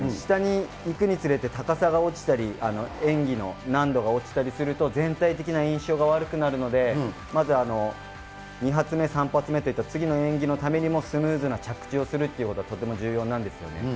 下にいくにつれて高さが落ちたり、演技の難度が落ちたりすると、全体的な印象が悪くなるので、まず２発目３発目といった次の演技のためにも、スムーズな着地をするということはとても重要なんですよね。